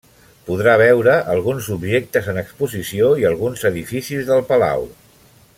Podrà veure alguns objectes en exposició i alguns edificis del palau.